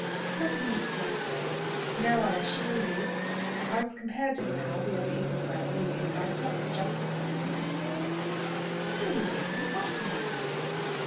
"How can you say so? No: I assure you I was compared to an owl the other evening by a lady, and I felt the justice of the comparison." "By a lady! What lady?"